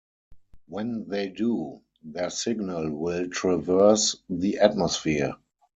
When they do, their signal will traverse the atmosphere.